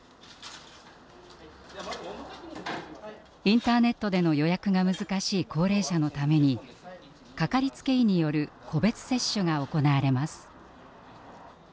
インターネットでの予約が難しい高齢者のためにかかりつけ医による「個別接種」が行われます。